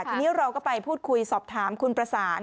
ทีนี้เราก็ไปพูดคุยสอบถามคุณประสาน